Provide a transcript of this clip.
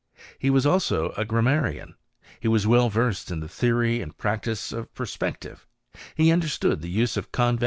He was also a grammarian ; he was w^ versed in the theory and practice of perspective ; h understood the use of conve